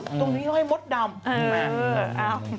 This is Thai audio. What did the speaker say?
ตรงนี้ให้มํ้ดดำ